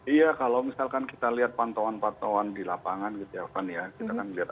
iya kalau misalkan kita lihat pantauan pantauan di lapangan kita akan lihat